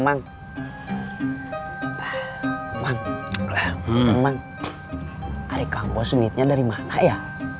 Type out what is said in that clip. man man hari kampus duitnya dari mana ya